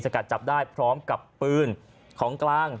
กัดจับได้พร้อมกับปืนของกลาง